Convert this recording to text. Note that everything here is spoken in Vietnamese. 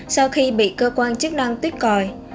sau khi bị cơ quan chức năng tuyết còi